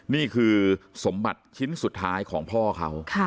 นี่คือสมบัติชิ้นสุดท้ายของพ่อเขา